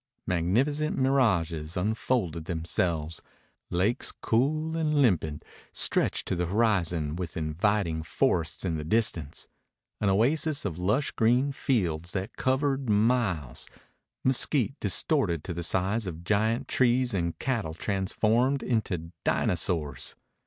Magnificent mirages unfolded themselves: lakes cool and limpid, stretching to the horizon, with inviting forests in the distance; an oasis of lush green fields that covered miles; mesquite distorted to the size of giant trees and cattle transformed into dinosaurs.